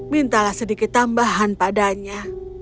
mintalah sedikit tambahan padanya